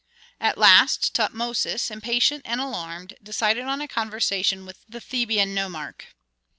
At last Tutmosis, impatient and alarmed, decided on a conversation with the Theban nomarch.